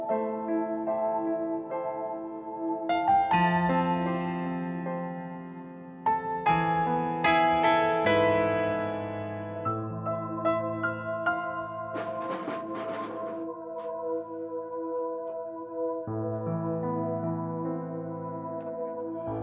ustaz itu uangmu akan dilipatkan oleh allah